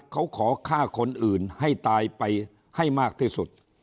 เขาขอฆ่าคนอื่นให้ตายไปให้มากที่สุด